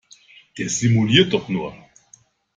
Der simuliert doch nur!